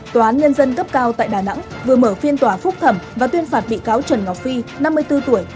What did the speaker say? tòa án nhân dân cấp cao tại đà nẵng vừa mở phiên tòa phúc thẩm và tuyên phạt bị cáo trần ngọc phi năm mươi bốn tuổi